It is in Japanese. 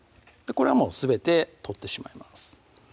これはすべて取ってしまいます